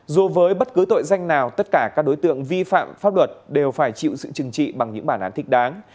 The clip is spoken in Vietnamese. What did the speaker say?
dù với bất cứ tội danh nào tất cả các đối tượng vi phạm pháp luật đều phải chịu sự chừng trị bằng những bản án thích đáng